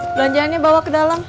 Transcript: belanjaannya bawa ke dalam